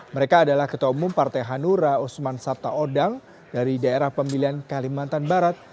mereka adalah ketua umum partai hanura usman sabta odang dari daerah pemilihan kalimantan barat